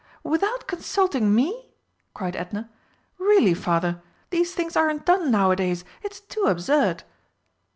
"Without consulting Me!" cried Edna. "Really, Father, these things aren't done nowadays! It's too absurd!"